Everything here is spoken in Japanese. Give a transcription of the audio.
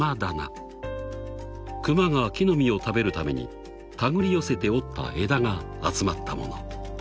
［クマが木の実を食べるためにたぐり寄せて折った枝が集まったもの］